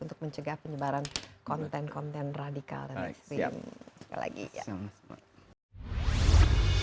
untuk mencegah penyebaran konten konten radikal dan ekstrim